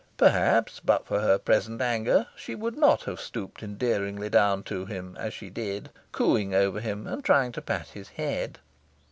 Perhaps, but for her present anger, she would not have stooped endearingly down to him, as she did, cooing over him and trying to pat his head.